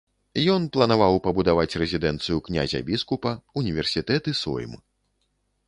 Ён планаваў пабудаваць рэзідэнцыю князя-біскупа, універсітэт і сойм.